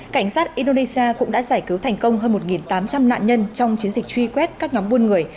cảnh sát indonesia cũng đã giải cứu thành công hơn một tám trăm linh nạn nhân trong chiến dịch truy quét các nhóm buôn người